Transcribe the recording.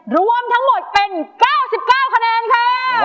รวมทั้งหมดเป็น๙๙คะแนนค่ะ